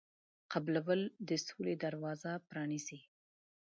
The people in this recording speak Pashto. قبلول د سولې دروازه پرانیزي.